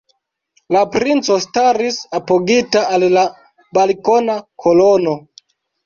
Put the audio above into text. La princo staris apogita al la balkona kolono.